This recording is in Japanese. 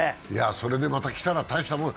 それでまた来たら大したもんよ。